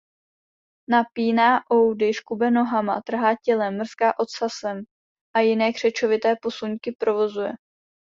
Napíná oudy, škube nohama, trhá tělem, mrská ocasem a jiné křečovité posuňky provozuje.